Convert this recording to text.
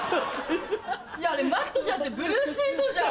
いやあれマットじゃなくてブルーシートじゃん。